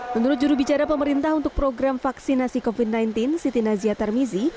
menurut jurubicara pemerintah untuk program vaksinasi covid sembilan belas siti nazia tarmizi